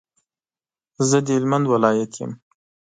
زه د هلمند ولایت یم.